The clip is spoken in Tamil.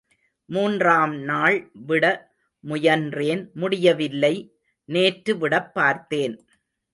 மூன்றாம்நாள் விட முயன்றேன் முடிய வில்லை, நேற்று விடப்பார்த்தேன்.